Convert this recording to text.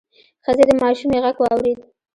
ښځې د ماشومې غږ واورېد: